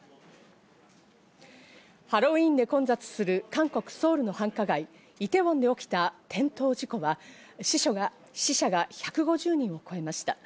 ハロウィーンで混雑する韓国・ソウルの繁華街、イテウォンで起きた転倒事故は死者が１５０人を超えました。